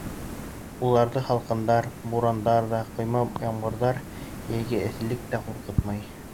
Уларҙы һалҡындар, бурандар ҙа, ҡойма ямғырҙар, йәйге эҫелек тә ҡурҡытмай.